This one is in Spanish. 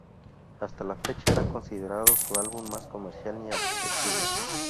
Hasta la fecha era considerado su álbum más comercial y accesible.